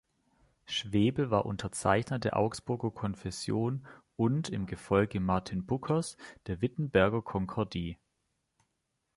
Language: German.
Schwebel war Unterzeichner der Augsburger Konfession und, im Gefolge Martin Bucers, der Wittenberger Konkordie.